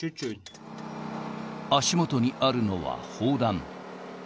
足元にあるのは砲弾。